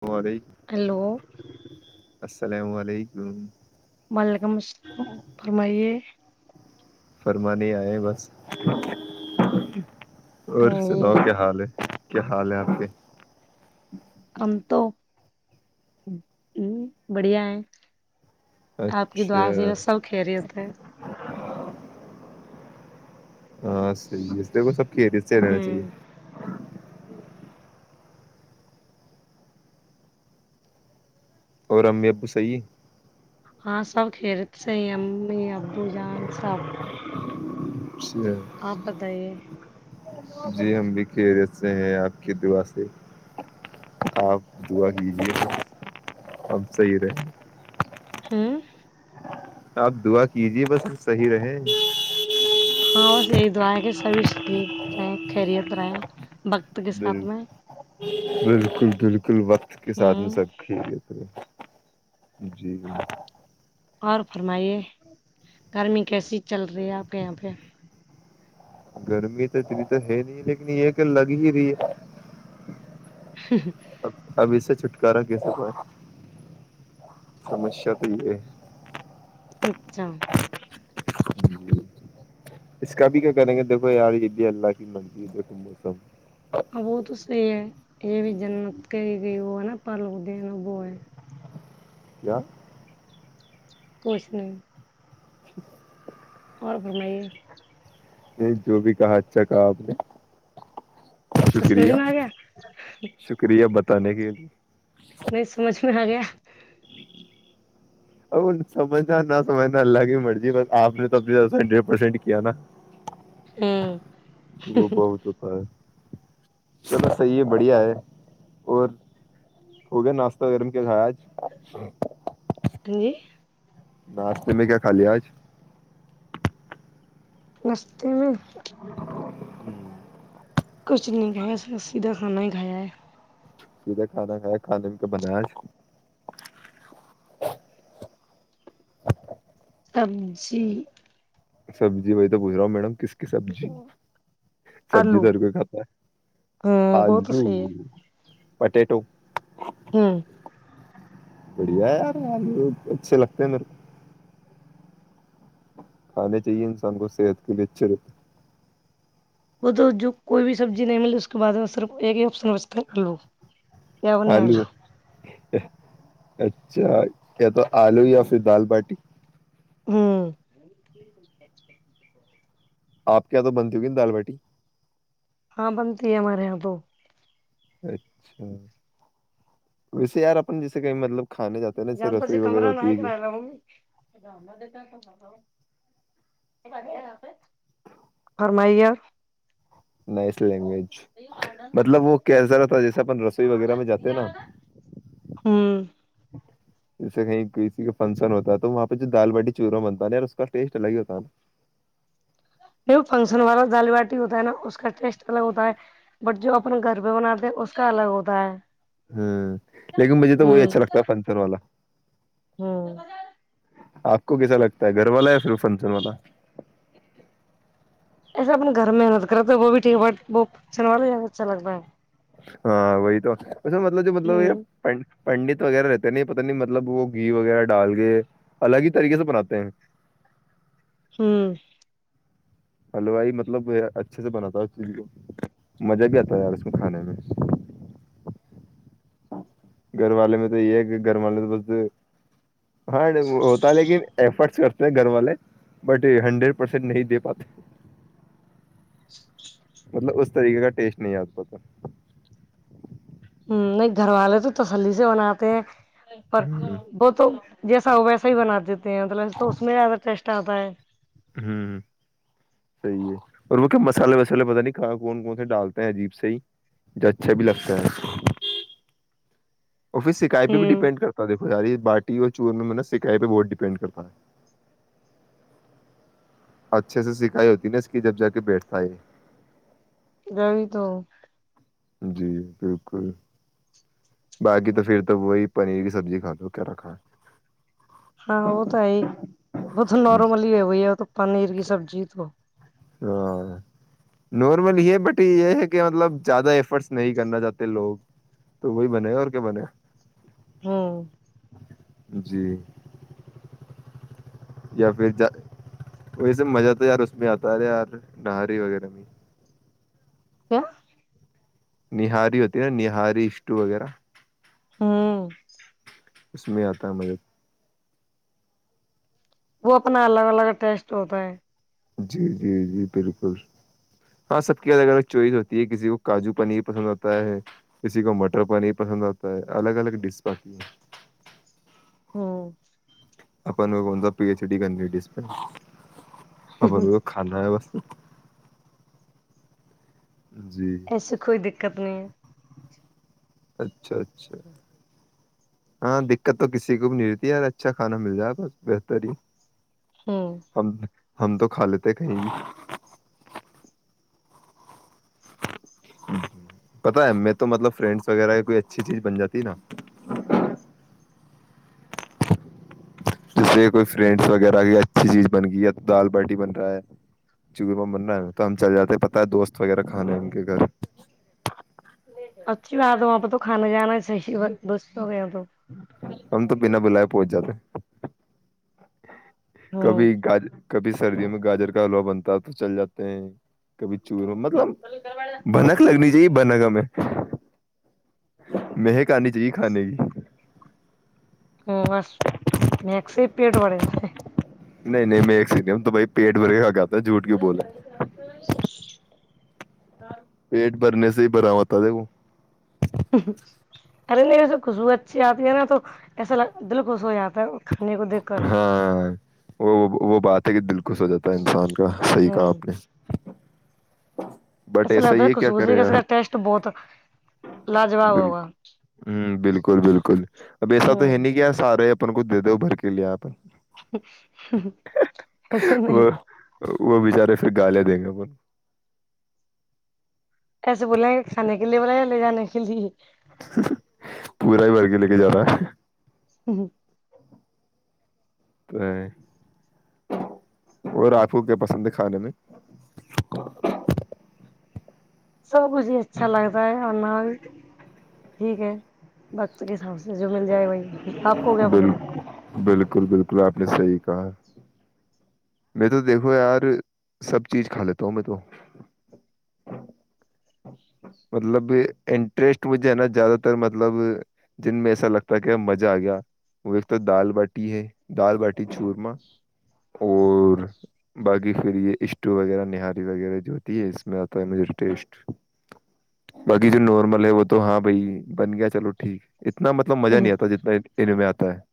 ہماری ہیلو السلام علیکم وعلیکم السلام فرمائیے فرم نہیں آئے بس اور ہاں جی سناؤ کیا حال ہے کیا حال ہے آپ کے ہمم تو بڑھیا ہے آپ کی دعا اچھا یہ سب کھی رہے ہوتے ہیں ہاں صحیح ہے وہ سب کھی سے رہنا چاہیے ہوں اور امی ابو سی ہاں سب کھیلت سے امی ابو جان سب اچھا آپتاے جی ہم بھی خریت سے ہیں آپ کی دعا سے آپ دعا کیجیےا اب صحیح رہے ہاں آپ دعا کیجے بس صحیح رہے ہاں بس یہی دع ہے کہ سبھی ٹھیک رہ خریت رہے ب بال ج بال کل وقت کے ساتھ میں ہوں سب کھیلے تھے جی جی اور فرمائیے گرمی کیسی چل رہی ہے آپ کے یہاں پہ گرمی تو اتنی تو ہے نہیں لیکن یہ کہ لگ ہی رہی ہے [inaudible] کرا کیسے کا سمسیا تو یہ ہے اچھا ہے اس کا بھی کیا کریں گے دیکھو یار عی اللہ کی منیو موسم ہاں وہ تو صحی ہے یہ بھی جنمت کر گئی ہو نا پالو د ن ب ہے یا کچھ نہیں اور گمائیے نہیں جو بھی کہا اچھا کہا آپ نے اچ چسمج شکریہ میں آ گیا ت نے گلی [unintelligible] نہیں سمجھ میں آ گیا ا سمجھنا نہ سمجنا اللہگے مرضی بس آپ نے توب زیاد ڈ پرسینٹ [unintelligible] کیا نا ہوں وہ بہ تو پ [inaudible] چلو صحیح ہے بڑھیا ہے اور ہو گیا ناشتہ وغیرہ میں کیا کھایا ہ جی ناشتے میں کیا کھا لیا آج مستے میں کچھ نہیں کہا سیدھا کھانا ہی کھایا ہے سیھا کھانا کھایا کھانے میں کا بناس سبجی سبزی بیائی تووچ رہا ہ میڈم کس سبزی سبزی آلو تو ہر کوئی کھاتا ہے ہوں وہ تو آلو صحیح ہے بٹےٹو ہوں بڑھیا ہے اچھے لگتے ہیں میرے کو کھانے چاہیے انسان کو صحت کے لیے اچھے رہتے وہ تو جو کوئی بھی سبزی نہیں مل اس کے بعد سر ایک ہی آپر نمسبو ہو ہیں نہیں آل آلو اچھا یا تو آلو یا پھر دال باٹی ہوں آپ کیا تو بنتی ہوگیا دال باٹی ہاں بنتی ہے ہمارے یہاں تو اچھا ویسے یار اپن جیسے کہیں مطلب کھانے جاتے ہیں نا جیسے جانتا سے رسوئی وغیرہ کمرہ ہوتی نہیں ہے کہ کر رہالا م فرمائیے نس لینگویج مطلب وہ کیسا رہتا جیسے اپن رسوئی وغیرہ میں جاتے نا ہوں جیسے کہیں کسی کا فنکشن ہوتا ہے تو وہاں پہ جو دال باٹی چورمہ بنتا ہے نا یار اس کا ٹیسٹ الگ ہی ہوتا ہے نا نہیں فنکشن والا دالی باٹی ہوتا ہے نا اس کا ٹیسٹ الگ ہوتا ہے بٹ جو اپن گھر پہ بناتے ہیں اس کا الگ ہوتا ہے ہوں لیکن مجھے تو وہی ہمم اچھا لگتا ہے فنسر والا ہمم آپ کو کیسا لگتا ہے گھر والا یا پھر فنکشن والا ایسا اپنے گھر میں محنت کرے تو وہ بھی ٹھیک ب وہ اچن والا اچھا لگتاا ہے ہاں وہی تو وسا مطلب جو مطلب ہمم یہ پنڈت وغیرہ رہتے نہیں پتا نہیں مطلب وہ گھی وغیرہ ڈال کے الگ ہی طریقے سے بناتے ہیں ہوں ہلوائی مطلب اچھے سے بناتا ہے اس چیز کو مزہ بھی آتا ہے یار اس میں کھانے میں گھر والے میں تو یہ ہے کہ گھر والے تو بس ہاں ہوتا لیکن ایفرٹس کرتے ہیں گھر والے بٹ ہنڈریڈ پرسینٹ نہیں دے پاتے مطلب اس طریقے کا ٹیسٹ نہیں آ پ تھا نہیں گھر والے تو تسلی سے بناتے ہیں پر ہ وہ تو جیسا ہو ویسا ہی بنااتتے مطلب تو اس میں زیاہ ٹیسٹ آتا بر ہ صحیح ہے اور وہ کیا مسالے وسالے پت نہیں کھا کون کون سے ڈالتے ہیں عجیب سے ہی جو اچھا بھی لگتا ہے افس سک پہ بھی ہمم ڈپینڈ کرتا تھا اری باٹی اور چور میں میں نا سکائے پہ بہت ڈیپینڈ کرتا ہے اچھے سے سکھائی ہوتی نا اس کی جب جا کے بیٹھتا ہے اد بھی تو جی بالکل باقی تو پھر تو وہی پنیر کی سبزی کھا دو کیا رکھا ہاں وہ تو ہے وہ تو ہے نارملی ہے ہوئی ہے تو پنیر کی سبزی تو ہاں نارمل ہی بٹ یہ ہے کہ مطلب زیادہ ایفرٹس نہیں کرنا چاہتے لوگ تو وہی بنے اور کیا بنے ہاں جی یا پھر ج ویس مزہ تو یار اس میں آتا سرے یار نہاری وغیرہ میں کیا نہاری ہوتی نا نہاری اشٹو وغیرہ ہاں اس میں آتا ہے مھے وہ اپنا الگ الگ ٹیسٹ ہوتا ہے جی جی جی بالکل ہاں سب کی الگ الگ چوائس ہوتی ہے کسی کو کاجو پنیر پسند آتا ہے کسی کو مٹر پنیر پسند آتا ہے الگ الگ ڈش پتی ہے ہاں اپن وہ کون پی ایچ ڈی کرنیٹیس پ آ ب کھانا [inaudible] جی ای سکھو د دقت نہیں [unintelligible] اچھا اچھا ہاں دقت تو کسی کو بھی نہیں رہتی یار اچھا کھانا مل جائے بس بہتر ہی ہمم ہم ہم تو کھا لیتے کہیں پتا ہے میں تو مطلب فرینڈس وغیرہ کوئی اچھی چیز بن جاتی نا جیسے کوئی فرینڈس وغیرہ کی اچھی چیز بن گئی یا دال باٹی بن رہا ہے چورمہ بن رہا ہے ن تو ہم چل جاتے پت ہے دوست وغیرہ کھانے ہیں ان کے گھر اچھی بات ہے وہاں پہ تو کھانا جانا ہے صحیحست ہو گیا تو ہم تو بنا بلائے پہنچ جاتے ہوں کبھی گج [unintelligible] کبھی سردیوں میں گاجر کا حلوا بنتا ہے تو چل جاتے ہیں کبھی چوروں مت [unintelligible] م بھنک لگنی چاہیے بنا گا میں م کرنی چاہیے کھانے کی ہ بس میکس پیٹ بڑے تھ [unintelligible] ن ہیں نہیں میںیک ستی ہوں تو بھائی پیٹ بھر کے خگا کو فی گر کر اور [unintelligible] برنے سے بر آات ہے وہ ارے نہیں وسے خوشبو اچھی آتی ہے نا تو ایسا دل خوش ہو جاتا ہے کھانے کو دیکھ کر ہاں وہ وہ بات ہے کہ دل خوش ہو جاتا ہے انسان کا صحیح کہا آپ نے بٹ ایسے ایسا لگتا ہے کیا کصوص ہی کرے کہ یار کا ٹیسٹ بہت لاجواب ہوگا بالکل ہ بالکل بالکل اب ایسا تو ہے ہوں نہیں کیا سب [unintelligible] رہے اپن کچھ دے د ا بھر کے لیےیا اپن ایسے نہیں وہ وہ بچارے پھر گالے دیں گے اپ ایسے بولے ہیں کھانے کے لیے بولیا لے جانے کے لیے پورا ہی بور کے لے کے جا رہا ہے [unintelligible] تو اور آپو کیا پسند ہے کھانے میں [unintelligible] سب کچھ اچھا لگتا ہے اور بھی ٹھیک ہے وقت کے حساب سے جو مل جائے وہی آپ کو کیا پسند بالکل بالکل بالکل آپ نے صحی کہا میں تو دیکھو یار سب چیز کھا لیتا ہوں میں تو مطلب انٹرسٹ مجھے ہے نا زیادہ تر مطلب جن میں ایسا لگتا ہے کہ مزہ آ گیا وہ ایک تو دال باٹی ہے دال باٹی چورما اور باقی پھر یہ اسٹو وغیرہ نہاری وغیرہ جو ہوتی ہے اس میں آتا ہے مجھے ٹیسٹ باقی جو نارمل ہے وہ تو ہاں بھائی بن گیا چلو ٹھیک اتنا مطلب مزہ ہے نہیں آتا جتنا ان میں آتا [inaudible]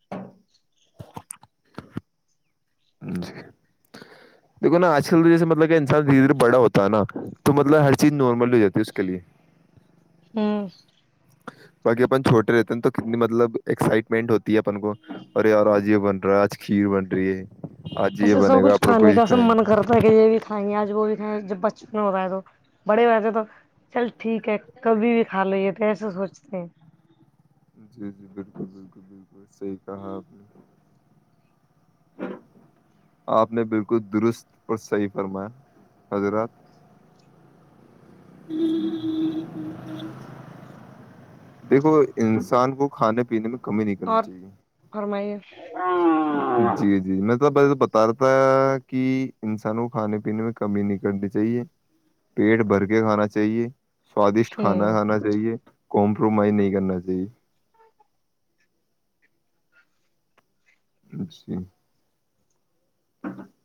جی دیکھو نا آج کل جیسے مطلب کہ انسان دھیرے دھیرے بڑا ہوتا ہے نا تو مطلب ہر چیز نارمل ہو جاتی ہے اس کے لیے ہاں باقی اپن چھوٹے رہتے ہیں نا تو کتنی مطلب ایکسائٹمنٹ ہوتی ہے اپن کو ارے اور آج یہ بن رہا آج کھیر بن رہی ہے آج یہ ایسے سب بنے گا کچھ اپن کو کھانے یہ کا سب کھائیں گے من کرتا ہے کہ یہ بھی کھیں گے آج وہ بھی جب بچپن ہو رہا ہے تو بڑے ہو تھے تو چل ٹھیک ہے کبھی بھی کھا لی تھ ایسا سوچتے ہیں جی جی بالکل بالکل بالکل صحیح کہا آپ نے آپ نے بالکل درست اور صحیح فرمایا حضرات [unintelligible] دیکھو انسان کو کھانے پینے میں کمی نہیں کرنی اور چاہیے فرمائیے جی جی میں تو بتا رہا تھا کہ انسان کو کھانے پینے میں کمی نہیں کرنی چاہیے پیٹ بھر کے کھانا چاہیے سوادشٹ کھانا ہوں کھانا چاہیے کمپرومائز نہیں کرنا چاہیے اچھی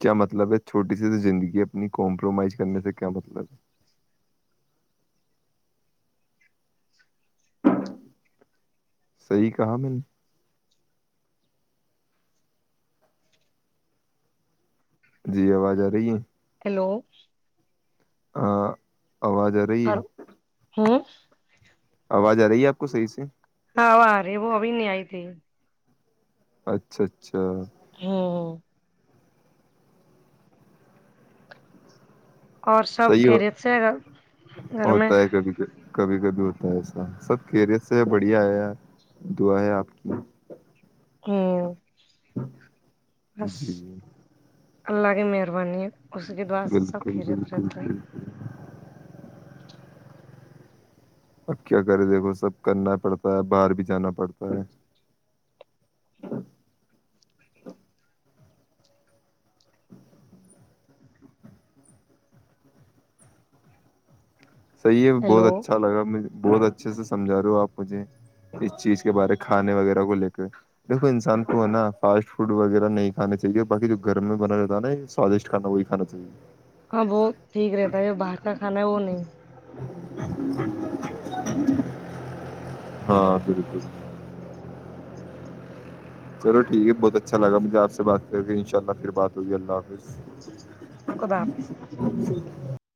کیا مطلب ہے چھوٹی سی زندگی اپنی کمپرومائز کرنے سے کیا مطلب ہے صحی کہا میں نے جی آواز آ رہی ہے ہیلو [unintelligible] آ رہی اور ہے ہوں آواز آ رہی ہے آپ کو صحیح سے ہاںوارے وہ اب نہیں آئی تھی اچھا اچھا ہاں ہاں اور سب صحیح کرید سے گ گھر میں ہوتا ہے کبھی کبھی کبھی ہوتا ہے ایسا سب کیریت سے ہے بڑھیا ہے یار دعا ہے آپ کی ہاں جی اللہ کی مہربانی اس کے دوعار سب بالکل کھیل بالکل رہتے ہے بالکل۔ اب کیا کرے دیکھو سب کرنا پڑتا ہے باہر بھی جانا پڑتا ہے سح ہے بہت ہیلو اچھا لاے بہت اچھا اچھے سے سمجھا رہے ہو آپ مجھے اس چیز کے بارے کھانے وغیرہ کو لے کر دیکو انسان کو ہے نا فاسٹ فوڈ وغیرہ نہیں کانے چاہیے باقی جو گھرم میں بنا جات نہیں سوادشٹ کانا وہی کانا چاہیے ہاں وہ ٹھیک رہتا ہے جو باہر کا کھانا ہے وہ نہیں [inaudible] ہاں بالکل چلو ٹھیک ہے بہت اچھا لگا مجھے آپ سے بات کر کے ان شاء اللہ پھر بات ہوگئی اللہ حافظ خدا حافظ